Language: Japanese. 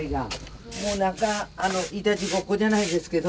もうなんかいたちごっこじゃないですけど。